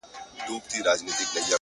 پوهه د تیارو افکارو څراغ دی؛